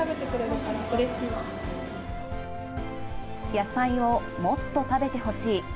野菜をもっと食べてほしい。